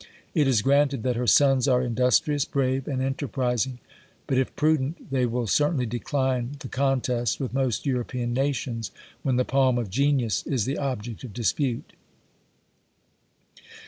It is granted, that her sons are industrious^ brave, and enterprising ; but, if prudent, they will cer tainly decline the contest with most European nations, when the palm of genius is the object of dispute.